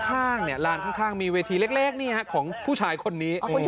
ข้างร้านข้างมีเวทีแรกของผู้ชายคนนี้